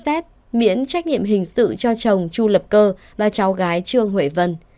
bị cáo lan xin tòa xem xét miễn trách nhiệm hình sự cho chồng chu lập cơ và cháu gái trương huệ vân